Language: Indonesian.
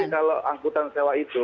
jadi kalau angkutan sewa itu